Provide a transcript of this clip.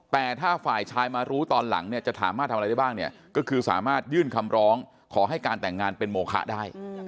แต่ถ้าฝ่ายชายมารู้ตอนหลังเนี่ยจะสามารถทำอะไรได้บ้างเนี่ยก็คือสามารถยื่นคำร้องขอให้การแต่งงานเป็นโมคะได้